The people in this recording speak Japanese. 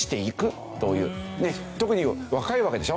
特に若いわけでしょう？